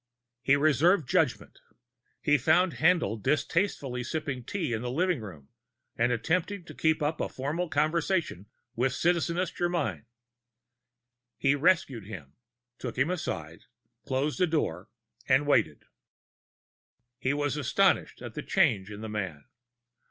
He reserved judgment. He found Haendl distastefully sipping tea in the living room and attempting to keep up a formal conversation with Citizeness Germyn. He rescued him, took him aside, closed a door and waited. He was astonished at the change in the man.